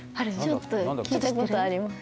ちょっと聞いたことあります